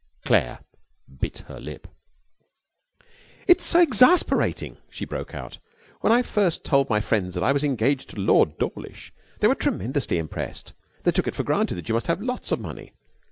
Claire bit her lip. 'It's so exasperating!' she broke out. 'When I first told my friends that I was engaged to Lord Dawlish they were tremendously impressed. They took it for granted that you must have lots of money.